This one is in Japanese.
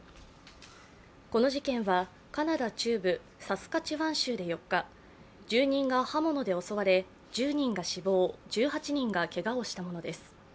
この事件はカナダ中部サスカチワン州で４日、住人が刃物で襲われ１０人が死亡、１８人がけがをしたものです。